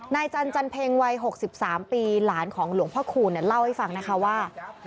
นายจันจันเพ็งวัย๖๓ปีหลานของหลวงพ่อคูณเล่าให้ฟังนะคะว่า